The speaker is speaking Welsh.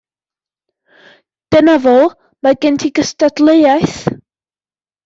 Dyna fo, mae gen ti gystadleuaeth.